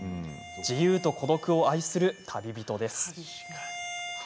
自由と孤独を愛する旅人です。